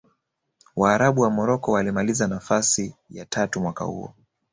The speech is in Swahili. waarabu wa morocco walimaliza nafasi ya tatu mwaka huo